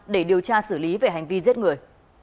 để điều tra xử lý về hành vi giết người